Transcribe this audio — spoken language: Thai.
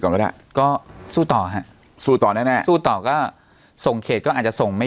ก็ได้ก็สู้ต่อฮะสู้ต่อแน่แน่สู้ต่อก็ส่งเขตก็อาจจะส่งไม่